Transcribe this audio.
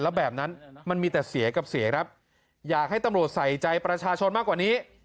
แล้วแบบนั้นมันมีแต่เสียกับเสียครับอยากให้ตำรวจใส่ใจประชาชนมากกว่านี้